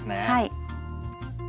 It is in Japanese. はい。